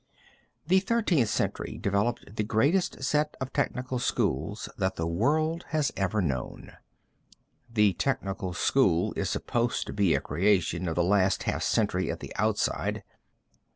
The Thirteenth Century developed the greatest set of technical schools that the world has ever known. The technical school is supposed to be a creation of the last half century at the outside.